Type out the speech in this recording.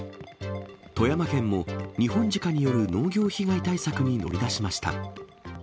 富山県も、ニホンジカによる農業被害対策に乗り出しました。